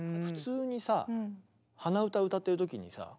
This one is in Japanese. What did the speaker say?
普通にさ鼻歌歌ってる時にさ